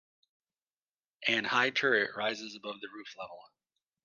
An high turret rises above the roof level.